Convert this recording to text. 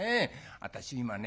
私今ね